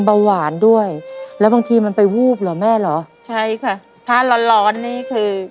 เบาหวานด้วยแล้วบางทีมันไปวูบเหรอแม่เหรอใช่ค่ะถ้าร้อนร้อนนี่คือ